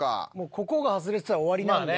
ここが外れてたら終わりなんで。